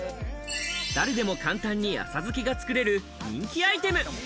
誰でも簡単に浅漬けが作れる人気アイテム。